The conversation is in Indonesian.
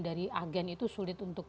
dari agen itu sulit untuk